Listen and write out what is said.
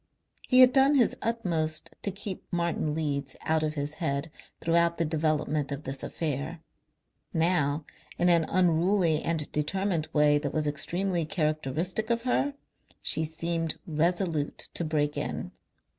He had done his utmost to keep Martin Leeds out of his head throughout the development of this affair. Now in an unruly and determined way that was extremely characteristic of her she seemed resolute to break in.